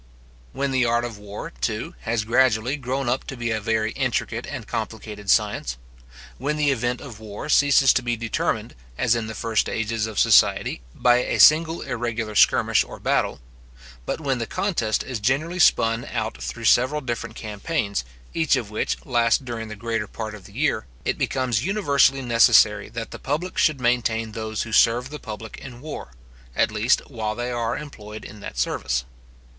When the art of war, too, has gradually grown up to be a very intricate and complicated science; when the event of war ceases to be determined, as in the first ages of society, by a single irregular skirmish or battle; but when the contest is generally spun out through several different campaigns, each of which lasts during the greater part of the year; it becomes universally necessary that the public should maintain those who serve the public in war, at least while they are employed in that service.